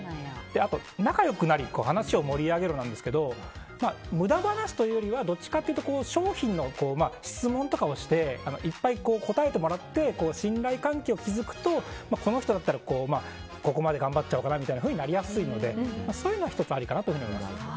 あと、仲良くなり話を盛り上げろですが無駄話というよりはどっちかというと商品の質問とかをしていっぱい答えてもらって信頼関係を築くとこの人だったらここまで頑張っちゃおうかなとなりやすいのでそういうのは１つありかなと思います。